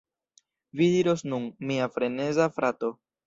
Vi diros nun: "Mia freneza frato!